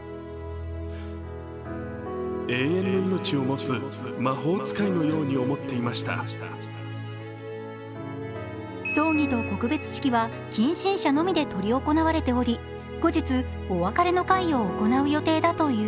すぎやまさんを表したＨＯＴワードが葬儀と告別式は近親者のみで執り行われており、後日、お別れの会を行う予定だという。